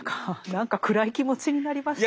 何か暗い気持ちになりましたね。